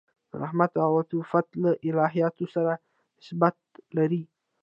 د رحمت او عطوفت له الهیاتو سره نسبت لري.